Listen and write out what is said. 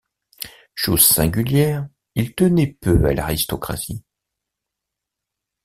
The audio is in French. Chose singulière, il tenait peu à l’aristocratie.